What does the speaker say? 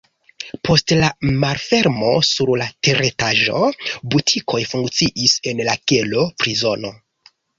Post la malfermo sur la teretaĝo butikoj funkciis, en la kelo prizono.